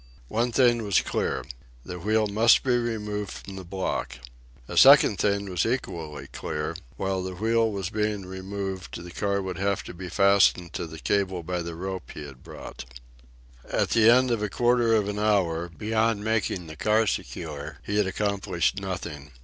One thing was clear the wheel must be removed from the block. A second thing was equally clear while the wheel was being removed the car would have to be fastened to the cable by the rope he had brought. At the end of a quarter of an hour, beyond making the car secure, he had accomplished nothing.